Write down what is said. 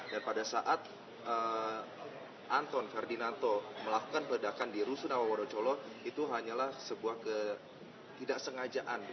dan pada saat anton ferdinando melakukan peledakan di rusunawa wonocolo itu hanyalah sebuah ketidaksengajaan